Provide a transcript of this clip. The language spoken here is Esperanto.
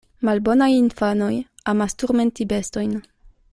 Malbonaj infanoj amas turmenti bestojn.